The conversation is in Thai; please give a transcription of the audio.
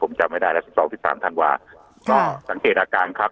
ผมจำไม่ได้แล้ว๑๒๑๓ธันวาก็สังเกตอาการครับ